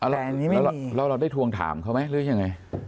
แต่อันนี้ไม่มีแล้วเราได้ทวงถามเขาไหมหรือยังไง